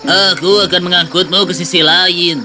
aku akan mengangkutmu ke sisi lain